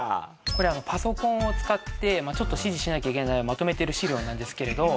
これパソコンを使ってちょっと指示しなきゃいけないまとめてる資料なんですけれど。